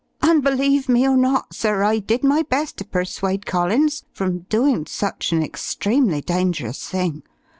"And believe me or not, sir, I did my best to persuade Collins from doin' such an extremely dangerous thing.